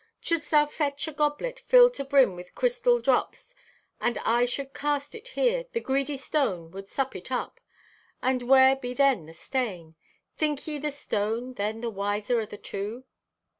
Shouldst thou fetch a goblet filled to brim with crystal drops, and I should cast it here, the greedy stone would sup it up, and where be then the stain? Think ye the stone then the wiser o' the two?